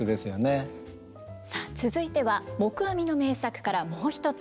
さあ続いては黙阿弥の名作からもう一つ。